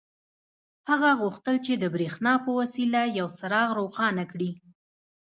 هغه غوښتل چې د برېښنا په وسیله یو څراغ روښانه کړي